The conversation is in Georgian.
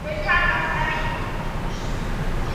ავღანის ბალნის შეფერილობა ნებისმიერია.